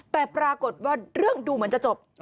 แต่ปรากฏว่าเรื่องดูเหมือนจะจบ